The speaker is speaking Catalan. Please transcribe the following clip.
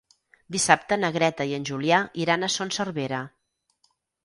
Dissabte na Greta i en Julià iran a Son Servera.